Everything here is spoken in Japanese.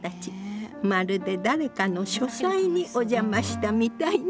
まるで誰かの書斎にお邪魔したみたいね。